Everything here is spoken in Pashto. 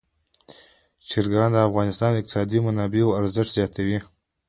چرګان د افغانستان د اقتصادي منابعو ارزښت زیاتوي.